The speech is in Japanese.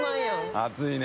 熱いね。